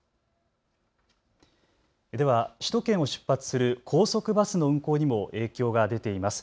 では首都圏を出発する高速バスの運行にも影響が出ています。